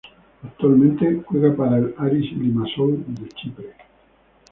Actualmente juega para el Aris Limassol de Chipre.